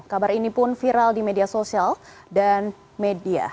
kabar ini pun viral di media sosial dan media